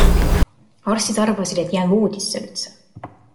Arstid arvasid, et jään voodisse üldse.